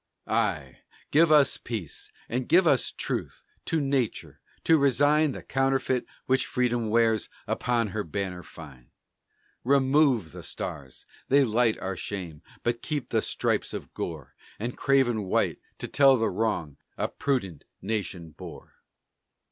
Ay, give us peace! And give us truth To nature, to resign The counterfeit which Freedom wears Upon her banner fine. Remove the Stars, they light our shame; But keep the Stripes of gore And craven White, to tell the wrong A prudent nation bore.